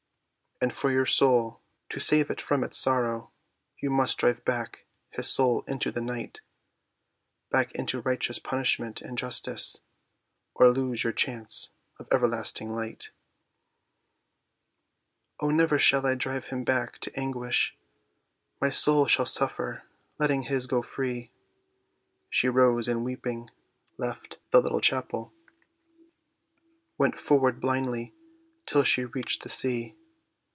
"And for your soul—to save it from its sorrow, You must drive back his soul into the night, Back into righteous punishment and justice, Or lose your chance of everlasting light." "O, never shall I drive him back to anguish, My soul shall suffer, letting his go free." She rose, and weeping, left the little chapel, Went forward blindly till she reached the sea.